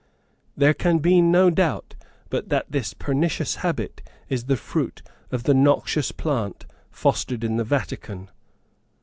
There can be no doubt but that this pernicious habit, is the fruit of the noxious plant fostered in the Vatican.